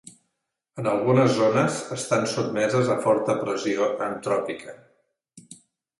En algunes zones estan sotmeses a forta pressió antròpica.